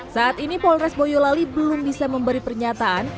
saat ini polres boyolali belum bisa memberi pernyataan